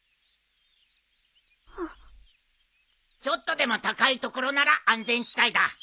ちょっとでも高い所なら安全地帯だ。